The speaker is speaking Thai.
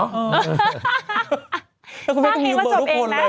สร้างเองก็จบเองนะแล้วคุณแม่ก็มีเบอร์ทุกคนเลย